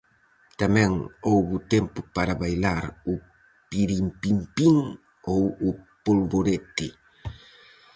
Tamén houbo tempo para bailar o pirimpimpín ou o polvorete.